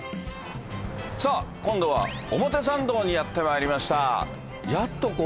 さあ今度は表参道にやってまいりました。